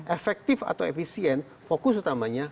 efektif atau efisien fokus utamanya